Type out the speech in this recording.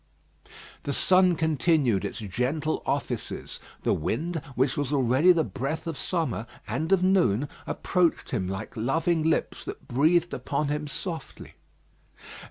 The sun continued its gentle offices. The wind, which was already the breath of summer and of noon, approached him like loving lips that breathed upon him softly.